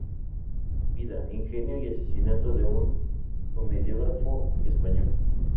Vida, ingenio y asesinato de un comediógrafo español.